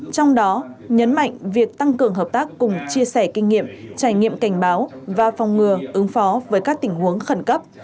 trong đó nhấn mạnh việc tăng cường hợp tác cùng chia sẻ kinh nghiệm trải nghiệm cảnh báo và phòng ngừa ứng phó với các tình huống khẩn cấp